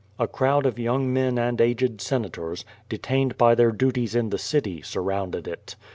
A crowd of young men and aged Senators, detained by their duties in the city, surrounded it.